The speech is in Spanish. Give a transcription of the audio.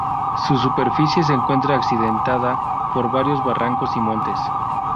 Su superficie se encuentra accidentada por varios barrancos y montes.